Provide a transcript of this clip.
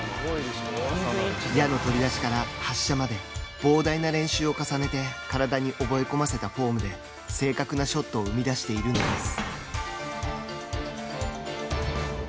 矢の取り出しから発射まで膨大な練習を重ねて体に覚え込ませたフォームで正確なショットを生み出しているのです。